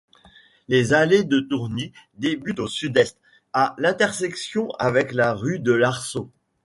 Les allées de Tourny débutent au sud-est, à l'intersection avec la rue de l'Arsault.